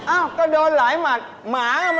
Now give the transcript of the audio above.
อ้าวก็โดนหลายหมัดหมามันหมัดเยอะ